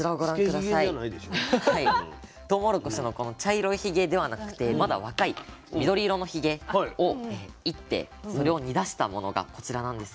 とうもろこしのこの茶色いひげではなくてまだ若い緑色のひげをいってそれを煮だしたものがこちらなんですが。